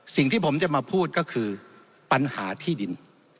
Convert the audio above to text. สิ่งที่ผมจะมาพูดก็คือปัญหาที่ดิน